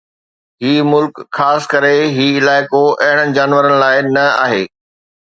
هي ملڪ خاص ڪري هي علائقو اهڙن جانورن لاءِ نه آهي